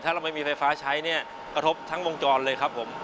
ถ้าเราไม่มีไฟฟ้าใช้เนี่ยกระทบทั้งวงจรเลยครับผม